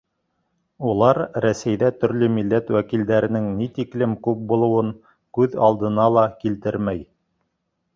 Улар Рәсәйҙә төрлө милләт вәкилдәренең ни тиклем күп булыуын күҙ алдына ла килтермәй.